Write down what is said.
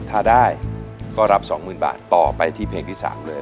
ถ้าได้ก็รับสองหมื่นบาทต่อไปที่เพลงที่สามเลย